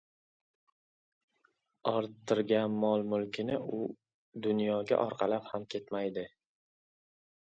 Orttirgan mol-mulkini u dunyoga orqalab ham ketmaydi.